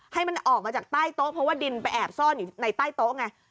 ให้มันออกมาจากใต้โต๊ะเพราะว่าดินไปแอบซ่อนอยู่ในใต้โต๊ะไง